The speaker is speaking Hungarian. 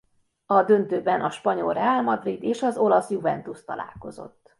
A döntőben a spanyol Real Madrid és az olasz Juventus találkozott.